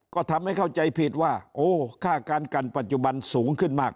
ก็ทำให้เข้าใจผิดว่าโอ้ค่าการกันปัจจุบันสูงขึ้นมาก